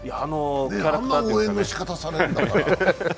あんな応援のしかたされるから。